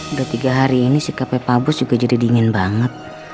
udah tiga hari ini si kp pabos juga jadi dingin banget